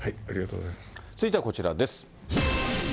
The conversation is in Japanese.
続いてはこちらです。